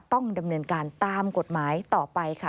ต้องดำเนินการตามกฎหมายต่อไปค่ะ